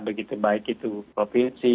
begitu baik itu provinsi